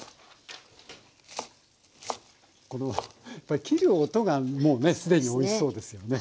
この切る音がもうねすでにおいしそうですよね。